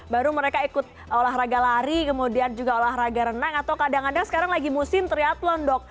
baru mereka ikut olahraga lari kemudian juga olahraga renang atau kadang kadang sekarang lagi musim triathlon dok